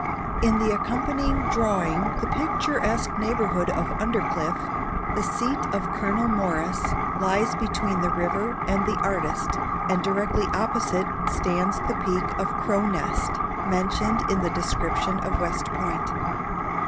In the accompanying drawing, the picturesque neighbourhood of Undercliff, the seat of Colonel Morris, lies between the river and the artist, and directly opposite stands the peak of Crow Nest, mentioned in the description of West Point.